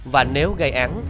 và nếu gây án